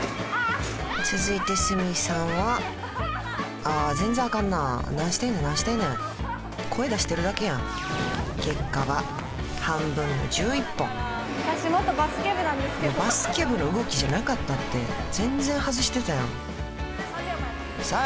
続いて鷲見さんはああ全然アカンな何してんねん何してんねん声出してるだけやん結果は半分の１１本私バスケ部の動きじゃなかったって全然外してたやんさあ